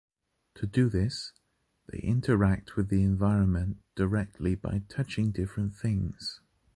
To do this, they interact with the environment directly by touching different things.